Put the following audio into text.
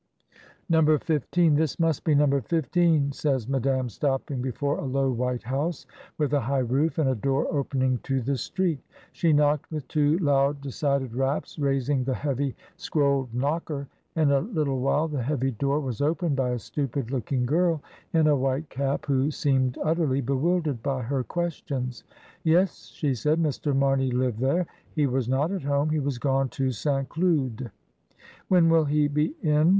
"No. 15! This must be No. 15," says Madame, stopping before a low white house, with a high roof and a door opening to the street She knocked with two loud decided raps, raising the heavy scrolled knocker. In a little while the heavy door was opened by a stupid looking girl in a white 206 MRS. DYMOND. cap, who seemed utterly bewildered by her ques tions. Yes," she said, "Mr. Mamey lived there. He was not at home; he was gone to St. Cloud." "When will he be in?"